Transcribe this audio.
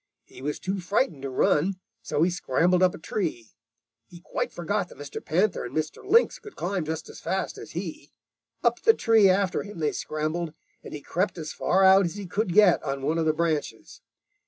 He was too frightened to run, so he scrambled up a tree. He quite forgot that Mr. Panther and Mr. Lynx could climb just as fast as he. Up the tree after him they scrambled, and he crept as far out as he could get on one of the branches.